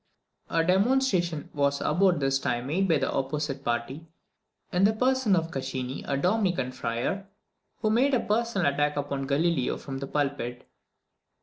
A demonstration was about this time made by the opposite party, in the person of Caccini, a Dominican friar, who made a personal attack upon Galileo from the pulpit.